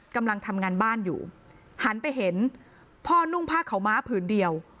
กำลังทำงานบ้านอยู่หันไปเห็นพ่อนุ่งผ้าขาวม้าผืนเดียว